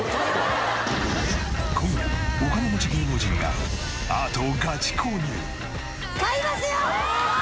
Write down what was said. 今夜お金持ち芸能人がアートをガチ購入！